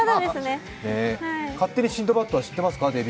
デビュー曲「勝手にシンドバッド」は知ってますか。